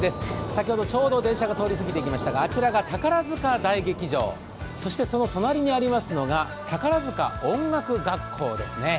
先ほどちょうど電車が通り過ぎていきましたがあちらが宝塚大劇場、そしてその隣にありますのが宝塚音楽学校ですね。